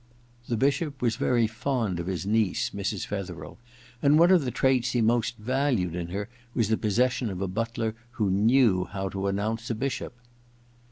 The Bishop was very fond of his niece Mrs. Fetherel, and one of the traits he most valued in her was the possession of a butler who knew how to announce a bishop.